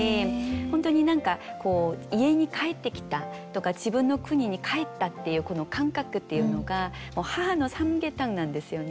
本当に何かこう家に帰ってきたとか自分の国に帰ったっていうこの感覚っていうのがもう母のサムゲタンなんですよね。